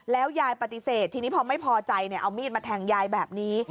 แล้วยายปฏิเสธทีนี้พอไม่พอใจเอามีดมาแทงยายแบบนี้